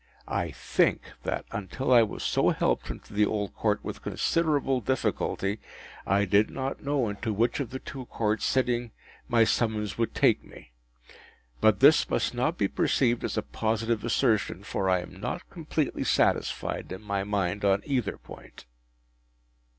I think that, until I was so helped into the Old Court with considerable difficulty, I did not know into which of the two Courts sitting my summons would take me. But this must not be received as a positive assertion, for I am not completely satisfied in my mind on either point.